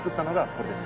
これです。